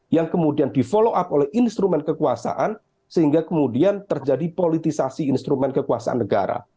yang kemudian di follow up oleh instrumen kekuasaan sehingga kemudian terjadi politisasi instrumen kekuasaan negara